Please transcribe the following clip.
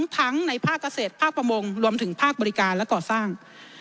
ทั้งในภาคเกษตรภาคประมงรวมถึงภาคบริการและก่อสร้าง